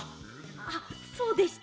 あっそうでした。